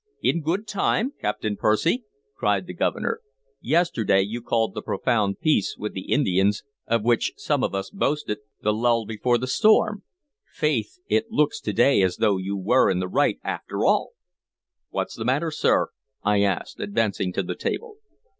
"In good time, Captain Percy!" cried the Governor. "Yesterday you called the profound peace with the Indians, of which some of us boasted, the lull before the storm. Faith, it looks to day as though you were in the right, after all!" "What 's the matter, sir?" I asked, advancing to the table.